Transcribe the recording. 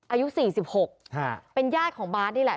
อายุ๔๖เป็นญาติของบาสนี่แหละ